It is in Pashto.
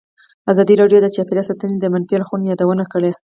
ازادي راډیو د چاپیریال ساتنه د منفي اړخونو یادونه کړې.